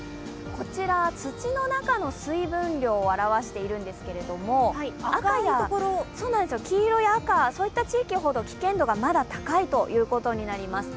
こちら、土の中の水分量を表しているんですけれども、赤や黄色、そういった地域ほど危険度が高いことになります。